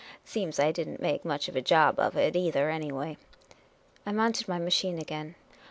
seems I did n't make much of a job of it, either, anyway." I mounted my machine again.